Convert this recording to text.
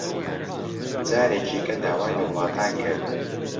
جارێکی کە داوای لە وڵاتان کرد